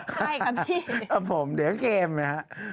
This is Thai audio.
ใช่ครับพี่ครับผมเดี๋ยวเกมนะครับ